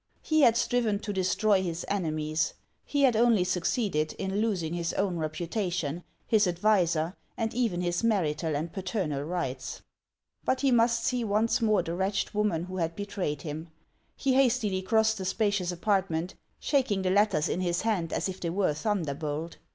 He had striven to destroy his enemies ; he had only succeeded in losing his own reputation, his adviser, and even his marital and paternal rights. But he must see once more the wretched woman who had betrayed him. He hastily crossed the spacious apart ment, shaking the letters in his hand as if they were a thunderbolt.